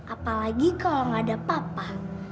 apalagi kalau nggak ada papa